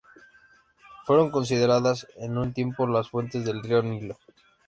Fueron consideradas en un tiempo las fuentes del río Nilo.